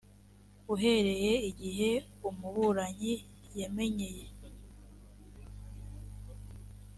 uhereye igihe umuburanyi yamenyeye